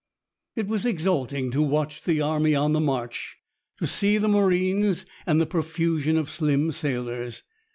It was exalting to watch the army on the march, to see the marines and the profusion of slim sailors.